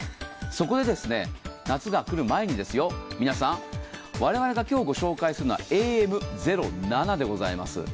そこで夏が来る前に、皆さん、我々が今日ご紹介するのはＡＭ０７でございます。